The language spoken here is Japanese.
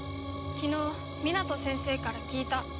昨日ミナト先生から聞いた。